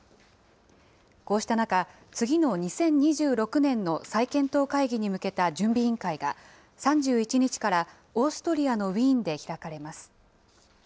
こうした中、次の２０２６年の再検討会議に向けた準備委員会が、３１日からオーストリアのウィーンで開かれます。